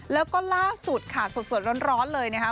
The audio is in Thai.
แล้วก็ล่าสุดค่ะสดร้อนเลยนะคะ